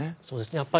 そうですね。